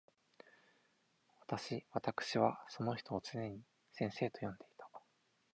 私わたくしはその人を常に先生と呼んでいた。